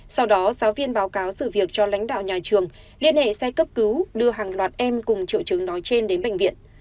sau đó giáo viên báo cáo sự việc cho lãnh đạo nhà trường liên hệ xe cấp cứu đưa hàng loạt em cùng triệu chứng nói trên đến bệnh viện